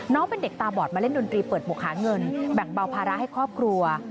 น้องเป็นเด็กตาบอดมาเล่นดนตรีเปิดหมวกหาเงินแบ่งเบาภาระให้ครอบครัว